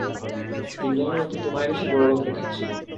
তিনজনের মধ্যে তোমায় বেশি বড়লোক দেখাচ্ছিলো।